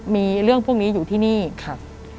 มีเรื่องพวกนี้อยู่ที่นี่ครับ